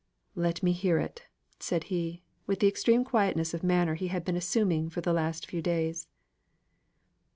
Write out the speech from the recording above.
"Let me hear it," said he, with the extreme quietness of manner he had been assuming for the last few days.